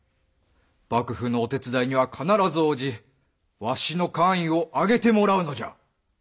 幕府の御手伝いには必ず応じわしの官位を上げてもらうのじゃ！